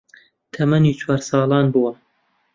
تەمەنی چوار ساڵان بووە